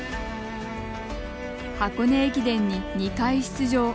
箱根駅伝に２回出場。